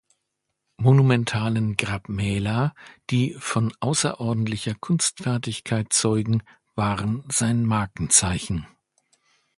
Monumentalen Grabmäler, die von außerordentlicher Kunstfertigkeit zeugen, waren sein Markenzeichen.